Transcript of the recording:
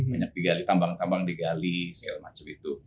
banyak digali tambang tambang digali segala macam itu